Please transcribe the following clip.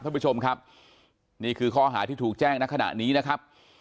ท่านผู้ชมครับนี่คือข้อหาที่ถูกแจ้งในขณะนี้นะครับ